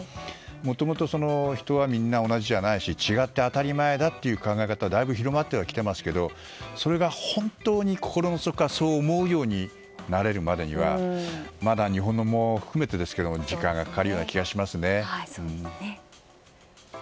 もともと人はみんな同じじゃないし違って当たり前だっていう考え方はだいぶ広まってはきていますけどそれが本当に心の底からそう思うようになれるまでにはまだ日本も含めて時間がかかる気がしますね。